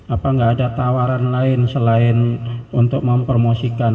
apa nggak ada tawaran lain selain untuk mempromosikan